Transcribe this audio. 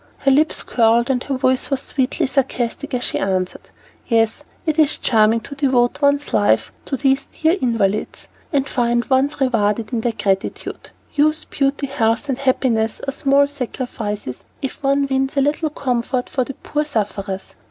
Her lips curled and her voice was sweetly sarcastic as she answered, "Yes, it is charming to devote one's life to these dear invalids, and find one's reward in their gratitude. Youth, beauty, health, and happiness are small sacrifices if one wins a little comfort for the poor sufferers."